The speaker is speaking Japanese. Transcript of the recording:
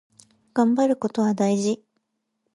がんばることは大事。